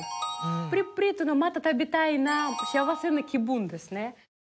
プリプリっていうのまた食べたいな幸せな気分ですね。